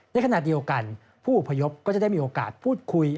ในขณะเดียวกันผู้อพยพก็จะได้มีโอกาสพูดคุย